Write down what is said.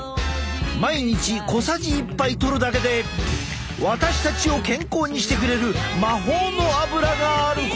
毎日小さじ１杯とるだけで私たちを健康にしてくれる魔法のアブラがあることを！